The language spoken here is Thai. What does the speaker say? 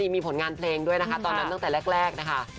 มีผลงานเพลงด้วยนะคะตอนนั้นตั้งแต่แรกนะคะ